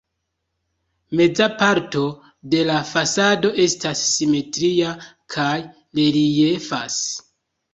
Meza parto de la fasado estas simetria kaj reliefas.